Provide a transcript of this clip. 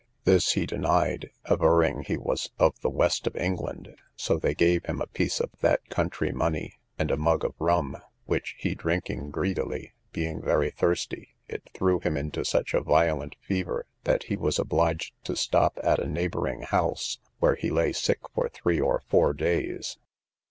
This he denied, averring he was of the West of England; so they gave him a piece of that country money, and a mug of rum, which he drinking greedily, being very thirsty, it threw him into such a violent fever, that he was obliged to stop at a neighbouring house, where he lay sick for three or four days.